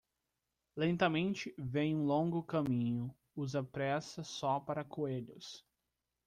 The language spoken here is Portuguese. Lentamente vem um longo caminho, usa pressa só para coelhos.